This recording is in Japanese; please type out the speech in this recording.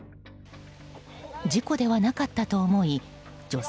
事故ではなかったと思い女性